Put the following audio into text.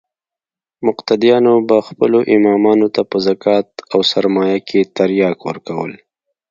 مقتديانو به خپلو امامانو ته په زکات او سرسايه کښې ترياک ورکول.